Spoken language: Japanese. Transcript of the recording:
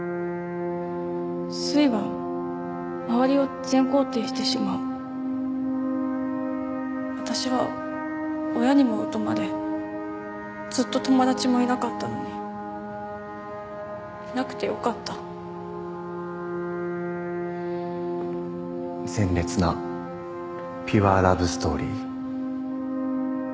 すいは周りを全肯定してしまう私は親にも疎まれずっと友達もいなかったのにいなくてよかった鮮烈なピュアラブストーリー？